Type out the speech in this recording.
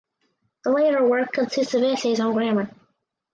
The latter work consists of essays on grammar.